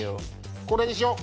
これにしよう。